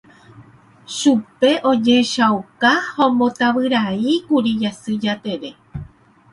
Chupe ojehechauka ha ombotavyraíkuri Jasy Jatere.